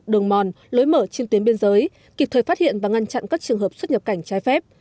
đường mòn lối mở trên tuyến biên giới kịp thời phát hiện và ngăn chặn các trường hợp xuất nhập cảnh trái phép